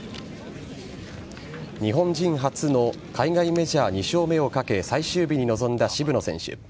日本人初の海外メジャー２勝目をかけ、最終日に臨んだ渋野選手。